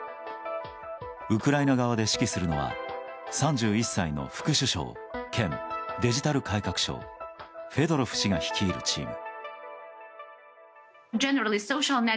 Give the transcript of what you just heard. ウクライナ側で指揮するのは３１歳の副首相兼デジタル改革相フェドロフ氏が率いるチーム。